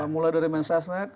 mulai dari mensesnek